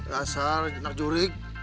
rasar jenak jurik